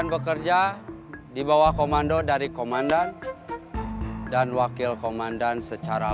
baris baris baris